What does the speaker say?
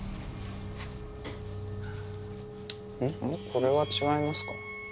これは違いますか？